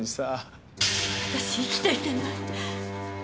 私生きていけない。